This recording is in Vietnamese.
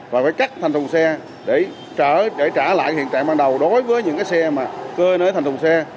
và phải cắt thành thùng xe để trả lại hiện trạng ban đầu đối với những xe mà cơi nới thành thùng xe